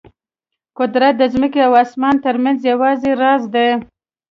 قدرت د ځمکې او اسمان ترمنځ یو راز دی.